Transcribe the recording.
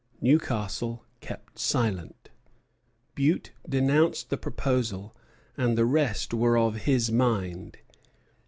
Newcastle kept silent. Bute denounced the proposal, and the rest were of his mind.